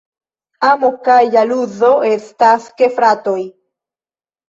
Amo kaj ĵaluzo estas gefratoj.